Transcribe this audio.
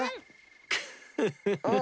クフフフ。